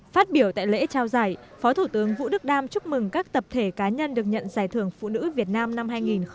phát biểu tại lễ trao giải phó thủ tướng vũ đức đam chúc mừng các tập thể cá nhân được nhận giải thưởng phụ nữ việt nam năm hai nghìn một mươi chín